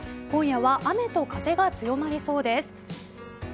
今夜は雨と風が強まりそうです。